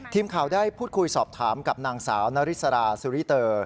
ทีมข่าวได้พูดคุยสอบถามกับนางสาวนาริสราสุริเตอร์